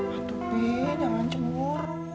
aduh bih jangan cengur